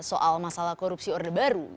soal masalah korupsi orde baru